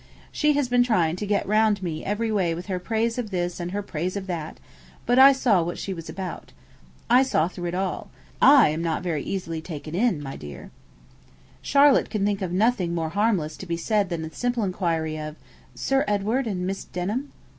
She has been trying to get round me every way with her praise of this and her praise of that; but I saw what she was about. I saw through it all. I am not very easily taken in, my dear.' Charlotte could think of nothing more harmless to be said than the simple enquiry of, 'Sir Edward and Miss Denham?'